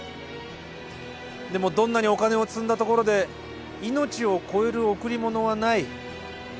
でもどんなにお金を積んだところで命を超える贈り物はない。